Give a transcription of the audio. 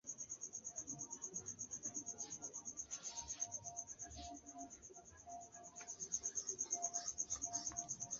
La flugilkovriloj estas ruĝaj, kaj la unuarangaj kaj duarangaj flugoplumoj estas nigraj.